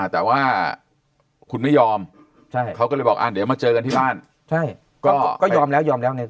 แต่ว่าคุณไม่ยอมเขาก็เลยบอกเดี๋ยวมาเจอกันที่บ้านก็ยอมแล้วยอมแล้วไง